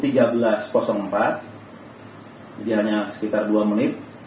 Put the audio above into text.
jadi hanya sekitar dua menit